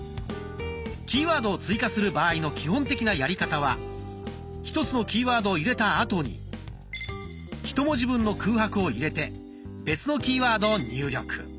キーワードを追加する場合の基本的なやり方は１つのキーワードを入れたあとにひと文字分の空白を入れて別のキーワードを入力。